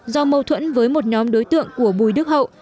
do mâu thuẫn với một nhóm đối tượng của bùi đức hậu